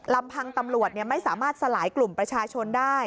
ลำพังตำรวจไม่สามารถสลายกลุ่มประชาชนได้